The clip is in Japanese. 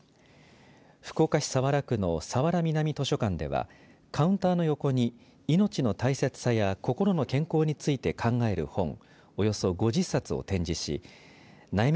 福岡市早良区の早良南図書館ではカウンターの横に命の大切さや心の健康について考える本およそ５０冊を展示し悩み